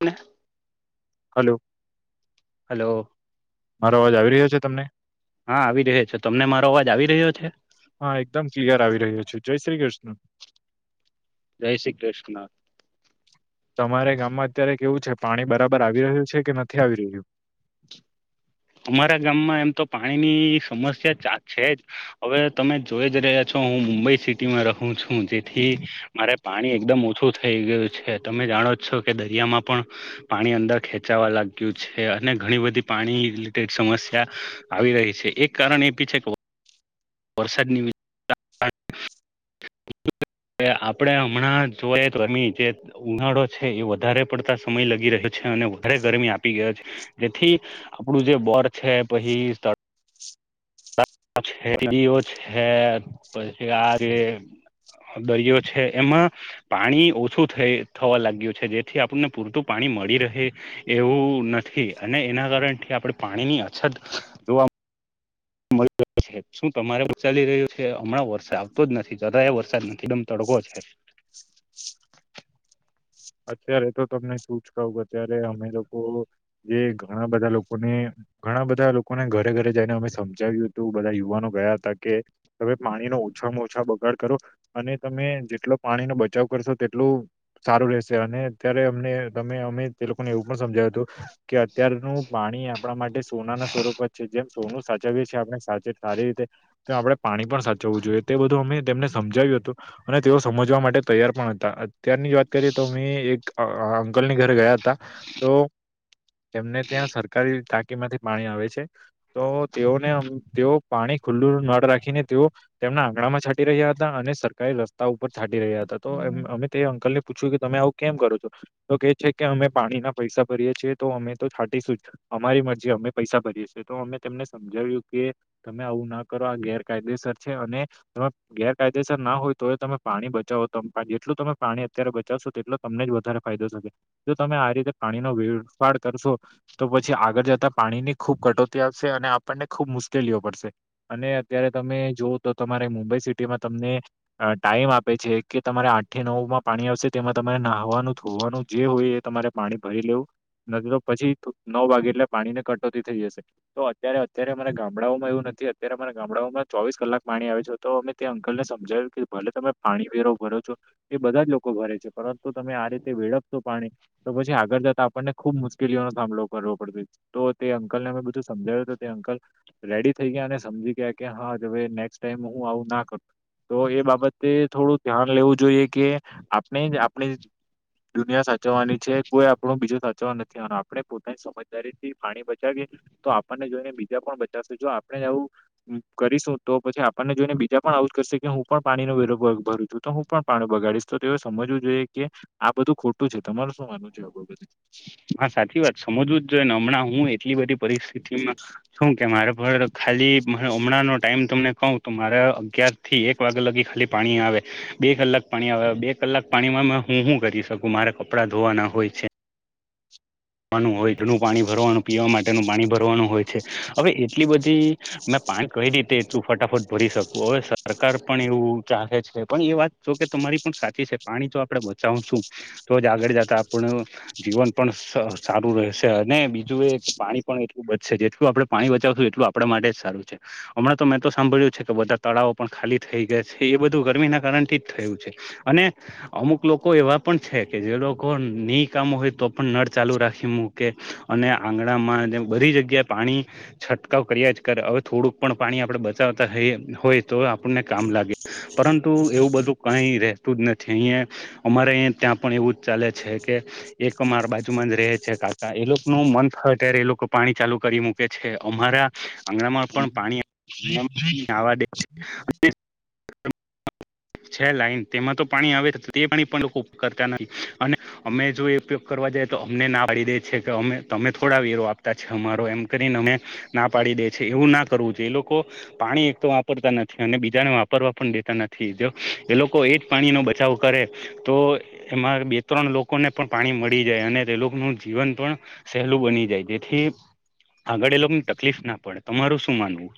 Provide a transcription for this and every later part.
હ હલો મારો અવાજ આવી રહ્યો છે તમને હા આવી રહ્યો છે તમને મારો અવાજ આવી રહ્યો છે હા એકદમ ક્લિયર આવી રહ્યો છ જય શ્રી કૃષ્ણ જય શ્રી કૃષ્ણ તમારે ગામમાં અત્યારે કેવું છે પાણી બરાબર આવી રહ્યું છે કે નથી આવી રહ્યું અમારા ગામમાં એમ તો પાણી ની સમસ્યા છે જ હવે તમે જોઈ જ રહ્યા છો હું મુંબઈ સિટીમાં રહું છું જેથી મારે પાણી એકદમ ઓછું થઈ ગયું છે તમે જા ણો છો કે દરિયામાં પણ પાણી અંદર ખેંચાવા લાગ્યું છે અને ઘણી બધી પાણી સમસ્યા આવી રહી છે એક કારણ એ પી છે કે વરસાદ ન્ય [inaudible] આપડે હમણાં જોઈ તો એમી જે ઉનાળો છે એ વધારે પડતા સમય લાગી રહ્યો છે છે અને વધારે ગરમી આપી ગયો છે જેથી આપણું જે બોર છે પછી છી ઓ છે પછ આજે દરિયો છે એમાં પાણી ઓછું થ થવા લાગ્યું છે જેથી આપણને પૂરતું પાણી મળી રહે એવું નથી અને એના કારણથી આપણે પાણી ની અછત જોવા મળ શું તમારે ચાલી રહ્યું છે હમણાં વરસાદ આવતો જ નથી જરા એ વરસાદ નથીદમ તડો છે [inaudible] અત્યારે તો તમને શું જ કહ અત્યારે અમે લોકો જે ઘણા બધા લોકોને ઘણા બધા લોકોને ઘરે ઘરે જઈને અમે સમજાવ્યું હતું બધા યુવાનો ગયા હતા કે તમે પાણી ન ઓછામાં ઓછા બગાડ કરો અને તમે જેટલો પાણી નો બચાવ કરશો તેટલું સારું રહે અને અત્યારે અમને અમે તે લોકોને એવું પણ સમજાયું હતું કે અત્યારનુંું પાણી આપણા માટે સોના ના સ્વરૂપ જ છે જેમ સોનું સાચવી‌ એ એછી આપણે સાચે સારી રીતે તો આપડણે પાણી પણ સાચવવું જોઈએ તે બધું અમે તેમને સમજાવ્યું અને તેઓ સમજવા માટે તૈયાર પણ હતા અત્યારની જ વાત કરી તો એક અંકલની ઘરે ગયા હતા તો તેમને ત્યાં સરકારી ટાંકી માંથી પાણી આવે છે તો તેઓને તેઓ પાણી ખુલ્લુળ રાખીને તેઓ તેમના આંગણા માં છાંટી રહ્યા હતા અને સરકારારે રસ્તા ઉપર છા રહ્યા હતા તો અમે તે અંકલ ને પૂછ્યું કે તમે આવું કેમ કરો છો તો કે છે કે અમે પાણી ના પૈસા ભરીએ છીએ તો અમે તો છાંટીશું જ અમારી મરજી અમે પૈસા ભરીએ છીએ તો અમે તને સમજાવ્યું કે તમે આવું ના કરો આ ગેરકાયદેસર અને ગેરકાયદેસર ના હોય તો એ તમે પાણી બચાવો ત જેટલું તમે પાણી અત્યારે શો તેટલો તમને જ વધારે ફાયદો થકે જો તમે આ રીતે પાણી ન વેડફાડ કરશો તો પછી આગળ જતા પાણીની ખૂબ કટોતી આવશે અને આપણને ખૂબ મુશ્કેલીઓ પડશે અને અત્યારે તમે જો તો તમારે મુંબઈ સિટીમાં તમને ટાઈમ આપે છે કે તમારે આઠે નવ માં પાણી આવશે તેમાં તમારે નાહવાનું ધોવાનું જે હોય એ તમારે પાણી ભરી લેવું નથી તો પછી નવ વાગે એટલે પાણીને કટોતી થઈ જશે તો અત્યારે અત્યારે મારે ગામડાઓમાં એવું નથી અત્યારે અમારા ગામડાઓમાં ચોવીસ કલાક પાણી આવે છે તો અમે્યાંકલ ને સમજાયું કે ભલે તમે પાણી પીો ભ છો એ બધા જ લોકો ભરે છે પરંતુ તમે આ રીતે વેડપશો પાણી તો પછી આગળ જતા આપણને ખુબ મુશ્કેલીઓનોો સામનો કરવો પડતો તો તે અંકલ ને અમે બધું સમજાય્યું તો તે અંકલ રેડી થઈ ગયા અને સમજી ગયા કે હાવે ટ આવું ના કર તો એ બાબતે થોડું ધ્યાન લેવું જોઈએ કે આપણે દુનિયા સાચવવાની છે કોઈ આપણો બીજું સાચવવા નથી આનો આપણે પોતાની સમજદારી થી પાણી બચાવી તો આપણને જોઈને બીજા પણ બચાવશે જો આપણે આવું કરીશું તો પછી આપણને જોઈને બીજા પણ આવટ કરશે કે હું પણ પાણીનો વિરો ભરું છું તો હું પણ પાણી બગાડીશ તો તે સમજવું જોઈએ કે આ બધું ખોટું છે તમારું શું માનવું છે આ બાબતે? હા સાચી વાત સમજવું જ જોઈએને હમણાં હું એટલી બધી પરિસ્થિતિમાં શું કે મારે પર ખાલી હમણાંનોો ટાઈમ તમને કહ તો મારે અગિયાર થી એક વાગ્યા લગી ખાલી પાણી આવે બે કલાક પાણી આવે બે કલાક પાણીમાં હું શું કરી શકું મારે કપડાં ધોવાના હોય છે નું હોય એું પાણી ભરવાનું પીવા માટેનું પાણી ભરવાનું હોય છે હવે એટલી બધી મે પાણી કઈ રીતેું ફટાફટ ભરી શકું હવે સરકાર પણ એવું ચાલે છે પણ એ વાત જો કે ત પણ સાચી છે પાણી તો આપડે બચાવું છું તો જ આગળ જતા આપણ જીવન પણ સારું રહેશે અને બીજું એ પાણી પણ એટલું બચશે જેટલું આપડણે પાણી બચાવશું એટલું આપડ માટે જ સારું છે હમણાં તો મેં તો સાંભળ્યું છે કે બધા તળાવો પણ ખાલી થઈ ગયા છે એ બધું ગરમીના કારણ થી જ થયું છે અને અમુક લોકો એવા પણ છે કે જે લોકો નહી કામો હોય તો પણ નળ ચાલુ રાખે મૂકે અને આંગણામાં જે બધી જગ્યાએ પાણી છંટકાવ કર્યા જ કરે હવે થોડુંક પણ પાણી આપણેે બચાવતા હોય તો આપણને કામ લાગે પરંતુ એવું બધું કઈ રતું જ નથી અહીં અમારે ત્યાં પણ એવું જ ચાલે છે કે એક માર બાજુમાં જ રહે છે છે કાકા એ લોકો નું મન અ્યારે એ લોકો પાણી ચાલુ કરી મૂકે છે અમારા આંગણામાં પણ પાણી આવા દે [inaudible] છે લાઈન તેમાં તો પાણી આવે તે પાણી પણ કરતા નથી અને અમે જો એ ઉપયોગ કરવા તો અમને ના પાડી દે છે કે અમે તમે થોડા વેરો આપતા છે અમારો એમ કરીને અમે ના પાડી દે એવું ના કરવું જોઈએ એ લોકો પાણી એક તો વાપરતા નથી અને બીજાને વાપરવા પણ દેતા નથી જો એ લોકો એજ પાણી નો બચાવ કર તો એમાં બે ત્રણ લોકોને પણ પાણી મળી જાય અને તે લોકો ન જીવન પણ સહેલું બની જાય જેથી આગળ એ લોકોને તકલીફ ના પડે તમારું શું માનવું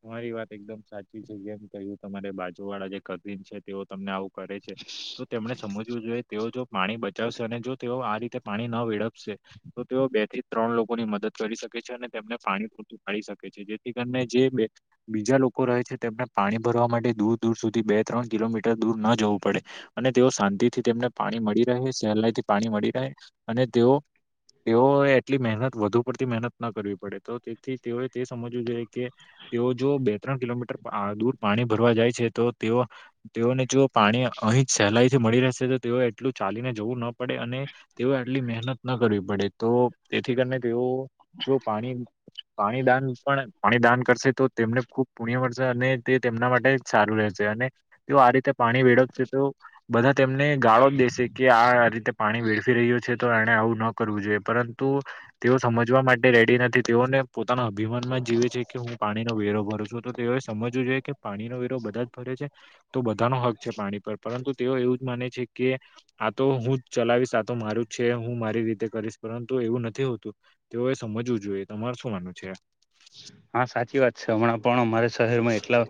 તમારી વાત એકદમ સાચી છે જેમ કહ્યું તમારે બાજુ વાળા જે કન છે તેઓ તમને આવું કરે છે તો તેમણે સમજવું જોઈએ તેઓ જો પાણી બચાવશે અને જો તેઓ આ રીતે તે પાણી ન વીડપશે તો તેઓ બે થી ત્રણ લોકો ની મદદ કરી શકે છે અને તેમને પાણી પૂરતું પાડી શ છે જેથી કરીને જે બે બીજા લોકો રહે છે તેમને પાણી ભરવા માટે દૂર દૂર સુધી બે ત્રણ કિલોમીટર દૂર ન જવું પડે અને તેઓ શાંતિ થી તેમને પાણી મળી રહે સહેલાઈથી પાણી મળી રહે અને તેઓ તેઓએ એટલી મહેનત વધુ પડતી મહેનત ના કરવી પડે તો તેથી તેઓએ તે સમજવું જોઈએ કે તેઓ જો બે ત્રણ કિલોમીટર દૂર પાણી ભરવા જાય છે તો તેઓ તેઓને જો પાણી અહી જ સહેલાઈ થી મળી રહેશે તો તેઓ એટલું ચાલીને જોવું ન પડે અને તેઓ એટલી મહેનત ના કરવી પડે તો તેથી કરીને તેઓ જો પાણી પાણી દાન પણ પાણી દાન કરશે તો તેમને ખુબ પુણ્ય મળશે અને તે તેમના માટે સારું રહેશે અને તેઓ આ રીતે પાણી વેળવશે તો બધા તેમને ગાળો જ દેશે કે આ રીતે પાણી વેડફી રહ્યું છે તો એને આવું ન કરવું જોઈએ. પરંતુ તેઓ સમજવા માટે રેડી નથી તેઓને પોતાના અભિમાન માં જીવે છે કે હુ પાણીનો વેરો ભરુ છું તો તેઓએ સમજવું જોઈએ કે પાણીનો વેરો બધા જ ભરે છે તો બધા નો હક છે પાણી- - પરંતુ તેઓ એવું જ માને છે કે આ તો હું જ ચલાવીશ આ તો મારું જ છે હું મારી રીતે ક - - કરીશ પરંતુ એવું નથી હોતું તેઓએ સમજવું જોઈએ તમારે શું માનું છે? હા સાચી વાત છે હમણાં પણ અમારા શહેરમાં એટલા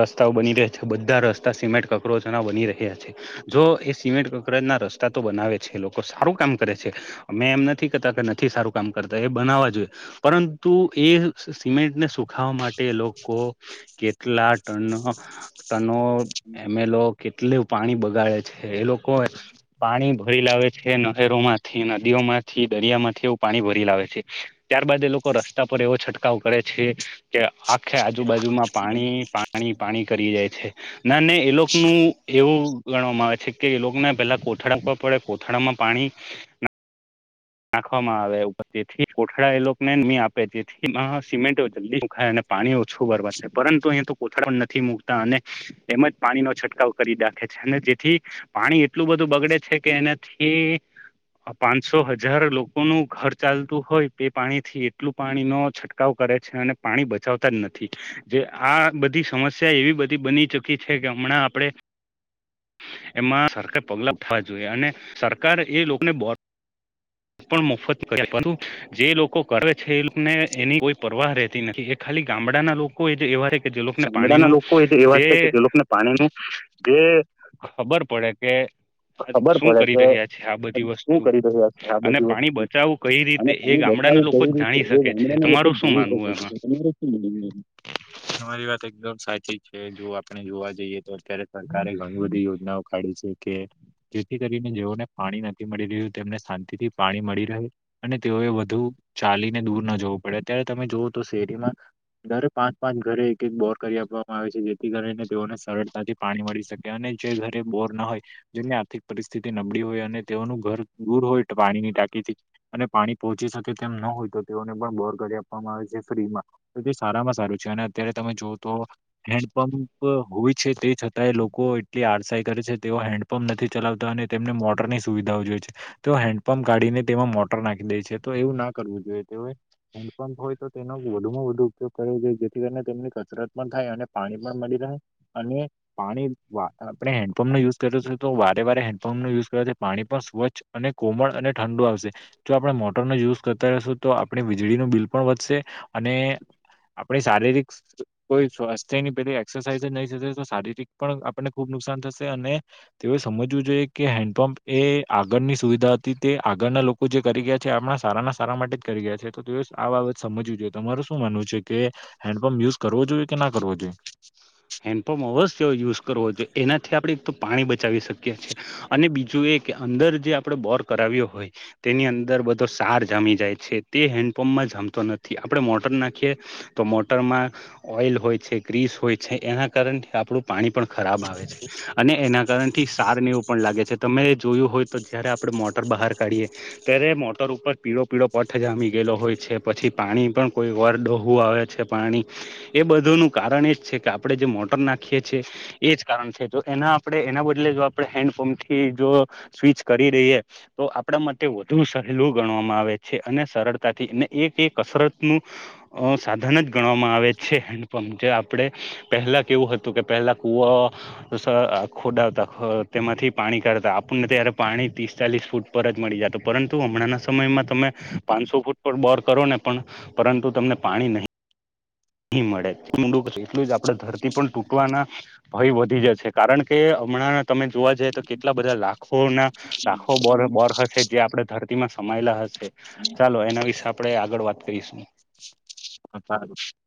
રસ્તાઓ બની રહે્યા- - બધા રસ્તા સિમેન્ટ કકરોજ ના બની રહ્યા છે જો એ સિમેન્ટ કકરોજ ના રસ્તા તો બનાવે છે- - એ લોકો સારું કામ કરે છે અમે એમ નથી કરતા કે નથી સારું કામ કરતા એ બનાવા જોઈએ પરંતુ- - તું એ- - સિમેન્ટને સુખાવા માટે લોકો કેટલા ટનો ટનો એમે લોકો કેટલુ પાણી બગાડે છે એ લોકો પાણી ભરી લાવે છે નહેરો- - માંથી નદીઓ માંથી દરિયા માંથી એવું પાણી ભરી લાવે છે ત્યારબાદ એ લોકો રસ્તા પર એવો છ- - છટકાવ કરે છે. કે આખે આજુબાજુમાં પાણી પાણી પાણી કરી જાય છે ના ને એ લોકોનું એવું ગણવામાં આવે છે કે એ લોકોને પેલા કોથળા પર પડે કોથળામાં પાણી- - નાખવામાં આવે ઉપર જેથી કોઠળા એ લોકો ને ની આપે રેતી માં સિમેન્ટો જલ્દી હુંકાય- - પાણી ઓછું બરબાદ થાય પરંતુ અ કોથળ પણ નથી મુકતા અને એમ જ પાણી નો છંટકાવ કરી દાખે- - અને જેથી પાણી એટલું બધું બગડે છે કે એનાથી પાંચસો હ- - જ્યારે લોકોનું ઘર ચાલતું હોય તે એ પાણીથી એટલું પાણીનો છંટકાવ કરે છે અને પાણી બ- - બચાવતા જ નથી જે આ બધી સમસ્યા એવી બધી બની ચુકી છે કે હમણાં આપણે- - એમાં સરકાર પગલાં [unintelligible] જોઈએ અને સરકાર એ લોકોને બો - - પણ મોફત કર પરંતુ જે લોકો કરે છે એ લોક એની કોઈ પરવાહ રહે- - નથી એ ખાલી ગામડાના લોકો એ એવા- - ગામડા ના લોકો એ એવા છે કે જે લોકોને પાણીનું જે- - ખબર પડે કે શું કરી રહ્યા છે આ બધી શું વસ્તુ- કરી રહ્યા છે આ - અને બધી પાણી વસ્તુ બચાવવું કઈ રીતે અને એ પાણી બચાવવું ગામડાના લોકો કેવી જ રીતે જાણી એ શકે છે ગામડાના લોકો તમારું શું ભણી માનવું શકે એમાં? [inaudible] તમારી વાત એકદમ સાચી છે જો આપણે જોવા જઈએ તો અત્યારે સરકારે ઘણી બધી યોજનાઓ- - કાડી છે કે- - જેથી કરીને જેઓને પાણી નથી મળી રહ્યું તેમને શાંતિથી પાણી મળી રહે અને તેઓએ વધુ- - ચાલીને દૂર ન જવું પડે અત્યારે તમે જોુઓ તો શેરીમાં દરેક પાંચ પાંચ ઘરે બોર કરી આપવામાં આવે છે જેથી કરીને તેઓને સરળતાથી પાણી મળી શકે અને જે ઘરે બોર ના હોય જેમની આર્થિક પરિસ્થિતિ નબળી હોય અને તેઓનું ઘર દૂર હોય પાણીની ટાંકીથી અને પાણી પોહોં- - ચી શકે તેમ ન હોય તો તેઓને પણ બોર કરી આપવામાં આવે છે ફ્રી માં તો તે સારામાં સારું છે અને- - અત્યારે તમે જોુઓ તો હેન્ડપંપ હોય છે તે છતાંય લોકો એટલી આડસાઈ કરે છે તેઓ- - હેન્ડપંપ નથી ચલાવતા અને તેમને મોટર ની સુવિધાઓ જોઈએ છે તેઓ હેન્ડપંપ કાઢીને તેમાં મોટર નાખી દે દે છે તો એવું ના કરવું જોઈએ તે હેન્ડપંપ હોય તો તેનો વધુમાં વધુ ઉપયોગ કરવો જોઈએ- - તેમની કસરત પણ થાય અને પાણી પણ મળી રહે અને પાણી વા આપણે હેન્ડપપ- - માં યુઝ કર્યું હદે તો વારે વારે હેન્ડપપ યુઝ કરે છે પાણી પણ સ્વચ્છ અને કોમળ અને ઠંડુ આવશે- - આપણે મોટરનો યુઝ કરતા રહેશું તો આપણે વીજળીનું બિલ પણ વધશે અને- - આપણી શારીરિક કોઈ સ્વાસ્થ્યની પેલી એક્સરસાઇઝ જ નહીં થી હોય તો શારીરિક પણ આપણને ખુબ નુકસાન થ- - થશે અને તેઓ સમજવું જોઈએ કે હેન્ડપંપ એ આગળની સુવિધા હતી તે આગળના લોકો- - જે કરી ગયા છે આપણા સારાના સારા માટે જ કરી ગયા છે તો તે આ બાબત સમજવી જોઈએ તમાર શું માનવું છે? કે હેન્ડપંપ યુઝ કરવો જોઈએ કે ના કરવો જોઈએ? હેન્ડપંપ અવશ્ય યુઝ કરવો જોઈએ એનાથી આપણે એક તો પાણી બચાવી શકીએ છીએ અને બીજું- - કે અંદર જે આપડે બોર કરાવ્યો હોય તેની અંદર બધો સાર જામી જાય છે તે હેન્ડ - - પંપમાં જમતો નથી આપડે મોટર નાખીએ તો મોટર માં ઓઈલ હોય છે ગ્રીસ હોય- - છે એના કારણે આપણું- - પાણી પણ ખરાબ આવે છે અને એના કારણ થી સાર ને એવું પણ લાગે છે તમે- - જોયું હોય તો જયારે આપડે મોટર બહાર કાઢીએ ત્યારે મોટર ઉપર પીળો પીળો પઠ જામી ગયેલો હોય છે. પછી પાણી પણ કોઈ વાર ડોહું આવે છે પાણી એ બધું નું કારણ એ જ છે. કે આપડે જે મોટર નાખીએ છીએ એ જ કારણ છે તો એના આપણે એના બદલે જો આપણે હેન્ડપંપ થી જો તો સ્વીચ કરી દઈએ તો આપણા માટે વધુ સહેલું ગણવામાં આવે છે અને સરળતાથી ને એક એ કસરત નું અ સાધન જ ગણવામાં આવે છે. હેન્ડપંપ જે આપડે પહેલા કેવું હતું કે પહેલા કુવો ખોડાવતા તેમાંથી પાણી કા આપણને ત્યારે પાણી તીસ ચાલીસ ફૂટ પર જ મળી જાતું પરંતુ હમણાંના સમયમાં તમે પાન્સો ફૂટ બોર કરો ને પણ પરંતુ તમને પાણી નહીં ની મળે જેમ ઊંડું કરશો એટલું જ આપડે ધરતી પણ તૂટવાના ભય વધી જશે કારણ કે હમણાં તમે જોવા જઈએ તો કેટલા બધા લાખો ના લાખો બોર બોર હશે જે આપડે ધરતીમાં સમાયેલા હ હશે, ચાલો એના વિશે આપણેે આગળ વાત કરીશું. [unintelligible]